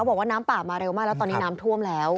บอกว่าน้ำป่ามาเร็วมากแล้วตอนนี้น้ำท่วมแล้ว